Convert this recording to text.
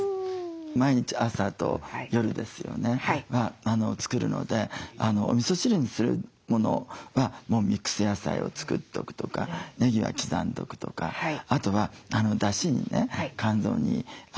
毎日朝と夜ですよねは作るのでおみそ汁にするものはもうミックス野菜を作っとくとかねぎは刻んどくとかあとはだしにね肝臓にいいアサリを冷凍しとくとか。